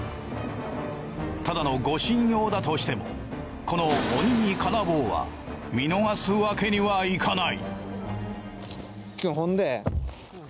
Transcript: ただの護身用だとしてもこの鬼に金棒は見逃すわけにはいかない。